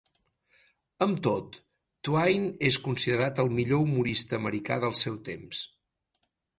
Amb tot, Twain és considerat el millor humorista americà del seu temps.